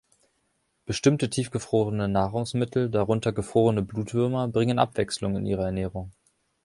Bestimmte tiefgefrorene Nahrungsmittel, darunter gefrorene Blutwürmer, bringen Abwechslung in ihre Ernährung.